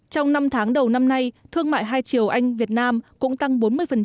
trong năm tháng đầu năm nay thương mại hai triều anh việt nam cũng tăng bốn mươi